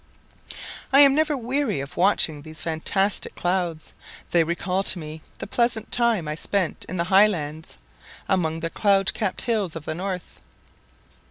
I am never weary of watching these fantastic clouds; they recall to me the pleasant time I spent in the Highlands, among the cloud capped hills of the north.